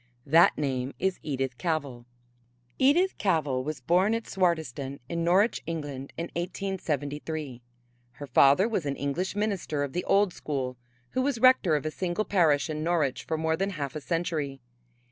That name is Edith Cavell. Edith Cavell was born at Swardeston in Norwich, England, in 1873. Her father was an English minister of the old school who was rector of a single parish in Norwich for more than half a century.